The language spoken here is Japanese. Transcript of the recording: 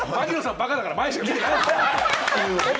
バカだから、前しか見てない。